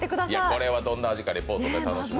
これはどんな味かリポートが楽しみ。